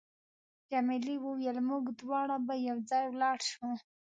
جميلې وويل: موږ دواړه به یو ځای ولاړ شو.